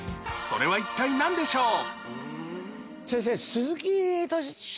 それは一体何でしょう？